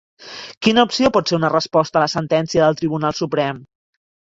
Quina opció pot ser una resposta a la sentència del Tribunal Suprem?